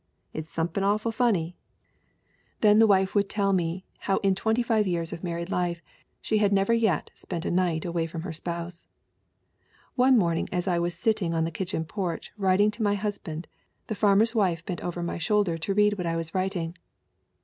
It's somepin awful funny!' Then the wife HELEN R. MARTIN 221 would tell me how in twenty five years of married life she had never yet spent a night away from her spouse. "One morning as I was sitting on the kitchen porch writing to my husband the farmer's wife bent over my shoulder to read what I was writing.